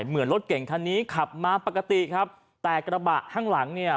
เหมือนรถเก่งคันนี้ขับมาปกติครับแต่กระบะข้างหลังเนี่ย